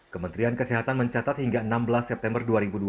kementerian kesehatan mencatat hingga enam belas september dua ribu dua puluh